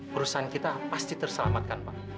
perusahaan kita pasti terselamatkan pak